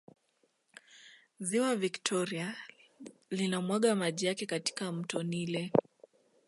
ziwa victoria linamwaga maji yake katika mto nile